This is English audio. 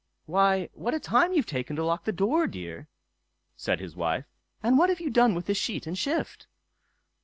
"Why! what a time you've taken to lock the door, dear!" said his wife; "and what have you done with the sheet and shift?"